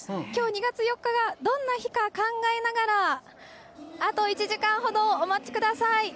きょう、２月４日がどんな日か考えながらあと１時間ほど、お待ちください。